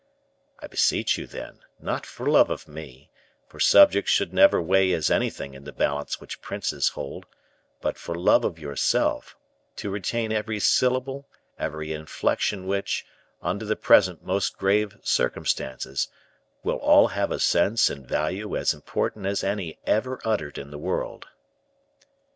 I beseech you, then, not for love of me, for subjects should never weigh as anything in the balance which princes hold, but for love of yourself, to retain every syllable, every inflexion which, under the present most grave circumstances, will all have a sense and value as important as any every uttered in the world."